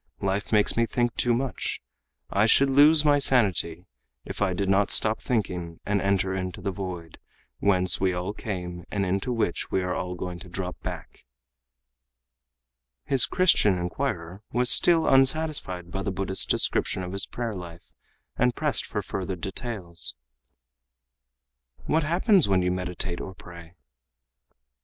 Life makes me think too much. I should lose my sanity, if I did not stop thinking and enter into the 'void', whence we all came and into which we all are going to drop back." His Christian inquirer still was unsatisfied by the Buddhist's description of his prayer life, and pressed further for details. "What happens when you meditate or pray?"